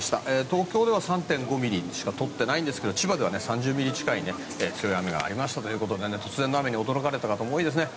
東京では３．５ミリしか降ってないんですが千葉では３０ミリ近い強い雨がありましたということで突然の雨に驚かれた方も多いですね。